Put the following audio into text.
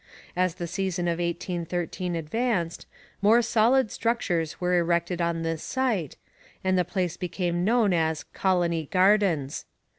As the season of 1813 advanced, more solid structures were erected on this site, and the place became known as Colony Gardens.